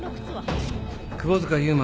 窪塚悠馬